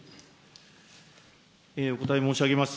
お答え申し上げます。